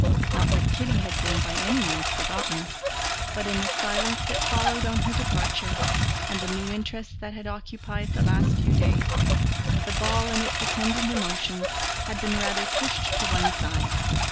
Not that Kitty had been by any means forgotten, but in the silence that followed on her departure, and the new interest that had occupied the last few days, the ball and its attendant emotions had been rather pushed to one side.